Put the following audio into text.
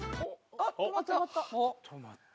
あっ止まった。